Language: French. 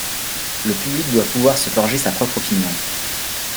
Le public doit pouvoir se forger sa propre opinion.